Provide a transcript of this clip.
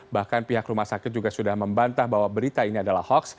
bahkan pihak rumah sakit juga sudah membantah bahwa berita ini adalah hoax